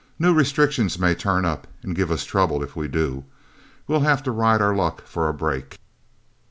New restrictions may turn up, and give us trouble, if we do. We'll have to ride our luck for a break."